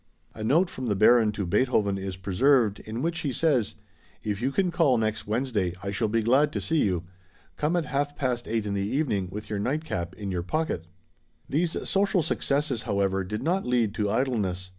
A note from the Baron to Beethoven is preserved, in which he says, "If you can call next Wednesday I shall be glad to see you. Come at half past eight in the evening with your nightcap in your pocket." These social successes, however, did not lead to idleness.